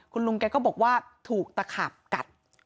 คุณลุงแกก็บอกว่าถูกตะขาบกัด